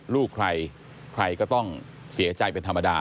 ลูกใครใครก็ต้องเสียใจเป็นธรรมดา